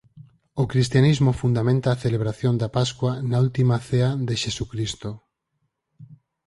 O cristianismo fundamenta a celebración da Pascua na Última Cea de Xesucristo.